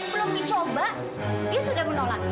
belum dicoba dia sudah menolak